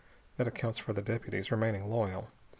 That accounts for the deputies remaining loyal.